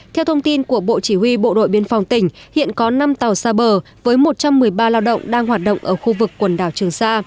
theo thông tin của bộ chỉ huy bộ đội biên phòng tỉnh hiện có năm tàu xa bờ với một trăm một mươi ba lao động đang hoạt động ở khu vực quần đảo trường sa